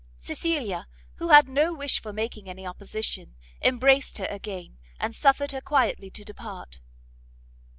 Cecilia, who had no wish for making any opposition, embraced her again, and suffered her quietly to depart.